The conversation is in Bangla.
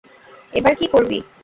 এবার কী করবি?